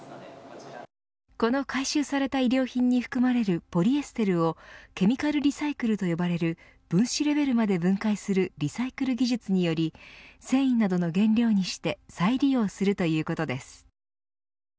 この回収された衣料品に含まれるポリエステルをケミカルリサイクルと呼ばれる分子レベルまで分解するリサイクル技術により繊維などの原料にして再利用するということです。